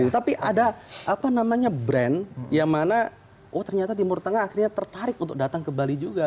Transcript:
tapi ada apa namanya brand yang mana oh ternyata timur tengah akhirnya tertarik untuk datang ke bali juga